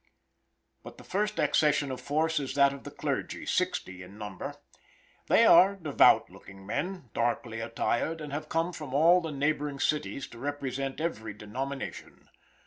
But the first accession of force is that of the clergy, sixty in number. They are devout looking men, darkly attired, and have come from all the neighboring cities to represent every denomination.